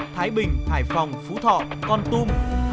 thái bình hải phòng phú thọ con tum